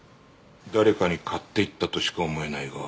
誰かに買っていったとしか思えないが。